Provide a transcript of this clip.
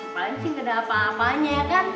paling sih nggak ada apa apanya ya kan